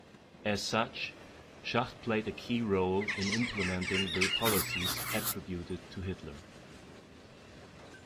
As such, Schacht played a key role in implementing the policies attributed to Hitler.